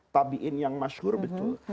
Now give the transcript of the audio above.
tabiin yang masyur betul